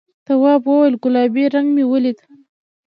تواب وویل گلابي رنګ مې ولید.